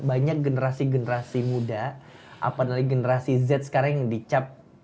banyak generasi generasi muda apalagi generasi z sekarang yang dicap